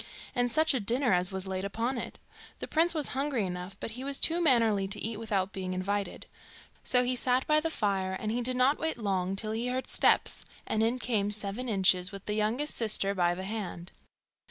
And such a dinner as was laid upon it! The prince was hungry enough, but he was too mannerly to eat without being invited. So he sat by the fire, and he did not wait long till he heard steps, and in came Seven Inches with the youngest sister by the hand.